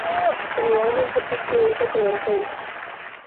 Enrolments at the school quickly increased.